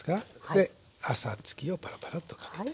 であさつきをパラパラッとかけて。